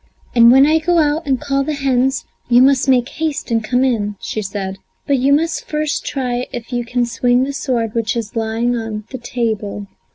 "And when I go out and call the hens you must make haste and come in," she said. "But you must first try if you can swing the sword which is lying on the table."